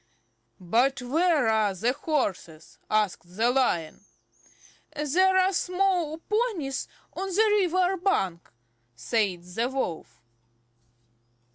"But where are there horses?" asked the Lion. "There are small ponies on the river bank," said the Wolf.